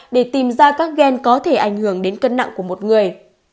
để tìm ra các ghen có thể ảnh hưởng đến cân nặng của một người